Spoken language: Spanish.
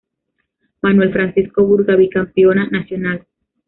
Manuel Francisco Burga, bicampeona nacional.